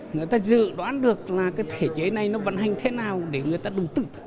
người ta dự đoán được là cái thể chế này nó vận hành thế nào để người ta đầu tư